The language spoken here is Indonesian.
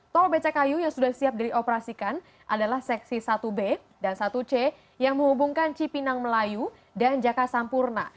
tol becakayu yang sudah siap dioperasikan adalah seksi satu b dan satu c yang menghubungkan cipinang melayu dan jaka sampurna